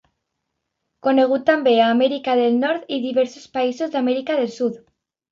Conegut també a Amèrica del Nord i diversos països d'Amèrica del Sud.